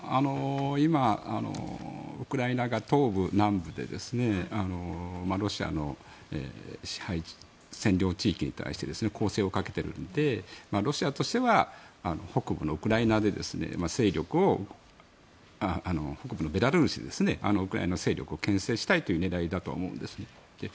今、ウクライナが東部、南部でロシアの占領地域に対して攻勢をかけているのでロシアとしては北部のベラルーシでウクライナの勢力をけん制したいという狙いだとは思うんですね。